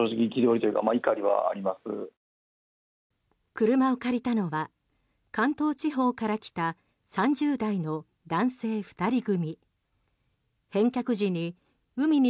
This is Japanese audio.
車を借りたのは関東地方から来た３０代の男性２人組。